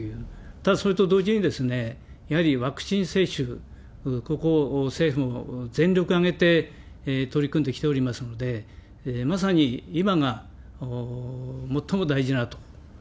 ただそれと同時にですね、やはりワクチン接種、ここを政府も全力を挙げて取り組んできておりますので、まさに今が最も大事だと。